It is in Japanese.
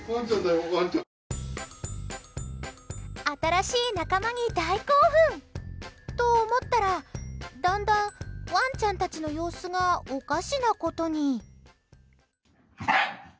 新しい仲間に大興奮。と、思ったらだんだんワンちゃんたちの様子がおかしなことに。